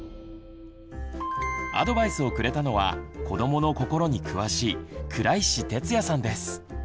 アドバイスをくれたのは子どもの心に詳しい倉石哲也さんです。